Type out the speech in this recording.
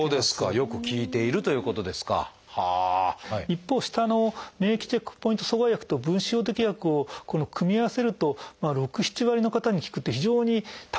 一方下の免疫チェックポイント阻害薬と分子標的薬を組み合わせると６７割の方に効くっていう非常にたくさんの方に効きます。